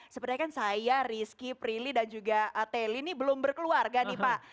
sebenarnya kan saya rizky prilly dan juga teli ini belum berkeluarga nih pak